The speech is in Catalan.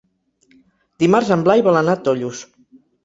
Dimarts en Blai vol anar a Tollos.